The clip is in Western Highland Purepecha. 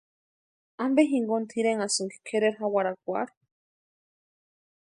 ¿Ampe jinkoni tʼirenhasïnki kʼereri jawarakwarhu?